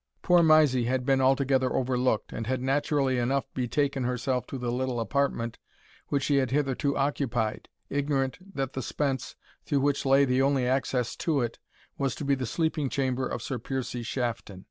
Poor Mysie had been altogether overlooked, and had naturally enough betaken herself to the little apartment which she had hitherto occupied, ignorant that the spence, through which lay the only access to it, was to be the sleeping chamber of Sir Piercie Shafton.